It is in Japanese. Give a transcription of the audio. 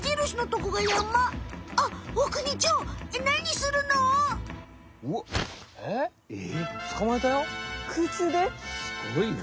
すごいな。